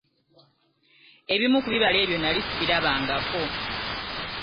Ebimu ku bibala ebyo nnali sibirabangako.